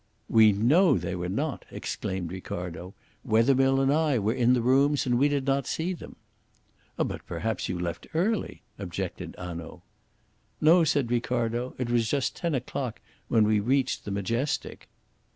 "We know they were not," exclaimed Ricardo. "Wethermill and I were in the rooms and we did not see them." "But perhaps you left early," objected Hanaud. "No," said Ricardo. "It was just ten o'clock when we reached the Majestic."